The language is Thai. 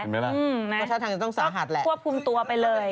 เห็นไหมล่ะประชาชนังจะต้องสาหัสแหละต้องควบคุมตัวไปเลย